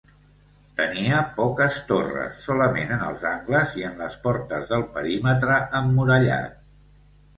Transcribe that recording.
Tenia poques torres, solament en els angles i en les portes del perímetre emmurallat.